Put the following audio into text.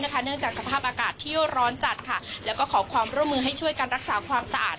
ถึงเวลา